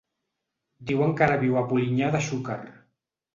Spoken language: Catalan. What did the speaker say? Diuen que ara viu a Polinyà de Xúquer.